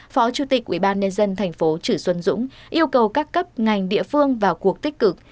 phó chủ tịch ubnd tp chử xuân dũng yêu cầu các cấp ngành địa phương vào cuộc tích cực